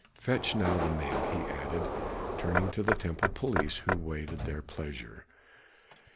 Fetch now the men," he added, turning to the temple police who waited their pleasure.